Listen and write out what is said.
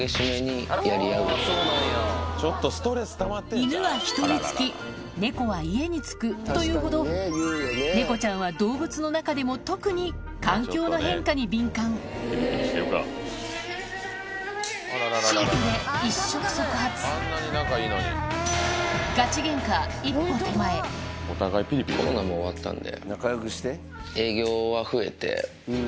「犬は人につき猫は家につく」と言うほど猫ちゃんは動物の中でも特に環境の変化に敏感新居で一触即発ちょっと。ってことで！